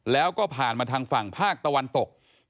แล้วก็ผ่านมาทางฝั่งภาคตะวันตก